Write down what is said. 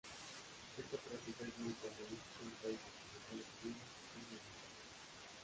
Esta práctica es muy común en países como Estados Unidos, China e Italia.